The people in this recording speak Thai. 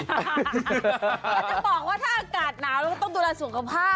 มันจะบอกว่าถ้าอากาศหนาวเราก็ต้องดูแลส่วนความภาพ